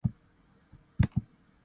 I a escala comarcal?